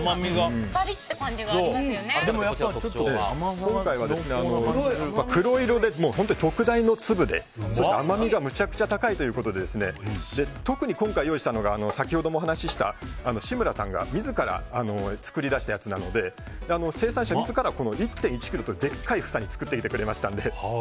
パリッていう感じが今回は黒色で特大の粒でそして甘みがむちゃくちゃ高いということで特に今回用意したのが先ほども話をした志村さんが自ら作り出したやつなので生産者自ら１．１ｋｇというでっかい房に作ってくれましたので。